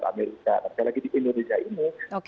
amerika sekali lagi di indonesia ini